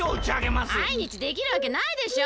まいにちできるわけないでしょ。